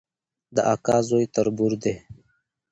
د اکا زوی تربور دی